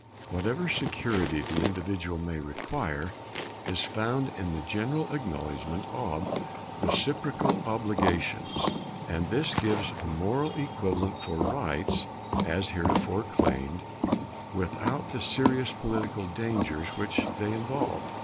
Whatever security the individual may require is found in the general acknowledgment of reciprocal obligations; and this gives a moral equivalent for rights as hitherto claimed, without the serious political dangers which they involved.